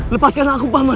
lepaskan aku paman